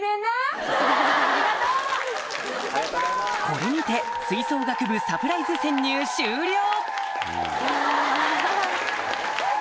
これにて吹奏楽部サプライズ潜入終了！